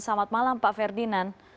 selamat malam pak ferdinand